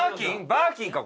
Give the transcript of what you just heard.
バーキンか？